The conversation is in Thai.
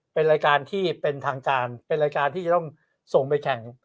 เป็นรายการที่เป็นทางการเป็นรายการที่จะต้องส่งไปแข่ง